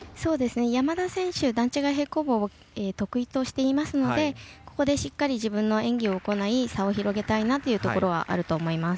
山田選手、段違い平行棒得意としていますのでここでしっかり自分の演技を行い差を広げたいというところはあると思います。